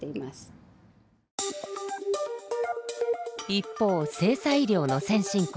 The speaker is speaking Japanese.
一方性差医療の先進国